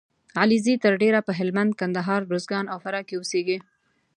علیزي تر ډېره په هلمند ، کندهار . روزګان او فراه کې اوسېږي